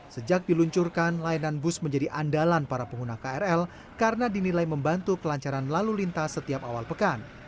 sejak diluncurkan layanan bus menjadi andalan para pengguna krl karena dinilai membantu kelancaran lalu lintas setiap awal pekan